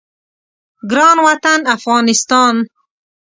ګران وطن افغانستان